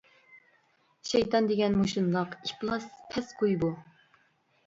شەيتان دېگەن مۇشۇنداق ئىپلاس پەس گۇي بۇ!